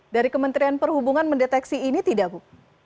dari kementerian perhubungan mendeteksi ini tidak bu